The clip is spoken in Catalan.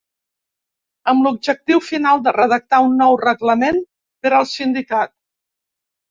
Amb l'objectiu final de redactar un nou reglament per al Sindicat.